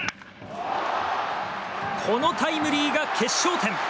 このタイムリーが決勝点！